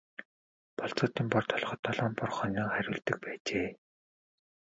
Болзоотын бор толгойд долоон бор хонио хариулдаг байжээ.